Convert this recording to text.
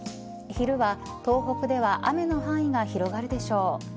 昼は東北では雨の範囲が広がるでしょう。